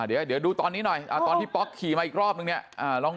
เดี๋ยวดูตอนนี้หน่อยตอนที่ป๊อกขี่มาอีกรอบนึงเนี่ยลอง